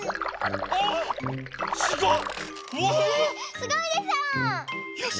すごいでしょ？